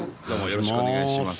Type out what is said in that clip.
よろしくお願いします。